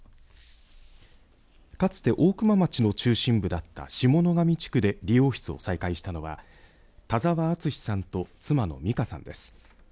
かつて大熊町の中心部だった下野上地区で美容室を再開したのは田沢敦さんと妻の美香さんです。